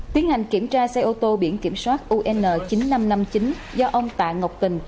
tiến hành kiểm tra xe ô tô biển kiểm soát un chín nghìn năm trăm năm mươi chín do ông tạ ngọc tình